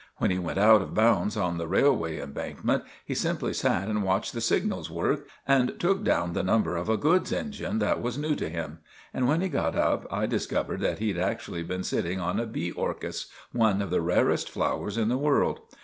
When we went out of bounds on the railway embankment, he simply sat and watched the signals work, and took down the number of a goods engine that was new to him. And when he got up, I discovered that he'd actually been sitting on a bee orchis—one of the rarest flowers in the world!